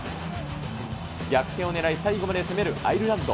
逆転を狙い、最後まで攻めるアイルランド。